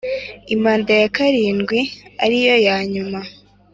Impanda ya karindwi ariyo yanyuma